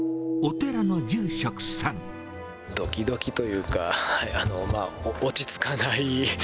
どきどきというか、まあ、落ち着かない。